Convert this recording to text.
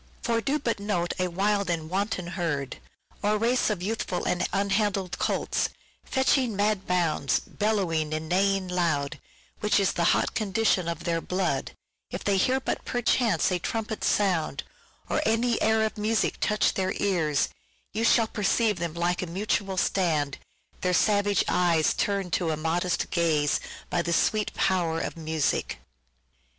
" For do but note a wild and wanton herd, Or race of youthful and unhandled colts, Fetching mad bounds, bellowing and neighing loud, Which is the hot condition of their blood, If they but hear perchance a trumpet sound, Or any air of music touch their ears, You shall perceive them make a mutual stand, Their savage eyes turn'd to a modest gaze By the sweet power of music."